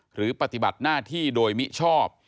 หรือปฏิบัติหน้าที่โดยมิชอบ